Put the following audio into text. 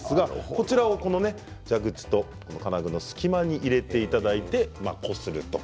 こちらを蛇口と金具の隙間に入れていただいてこする。